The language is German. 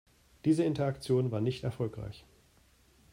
Diese Interaktion war nicht erfolgreich.